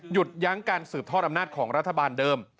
ยั้งการสืบทอดอำนาจของรัฐบาลเดิม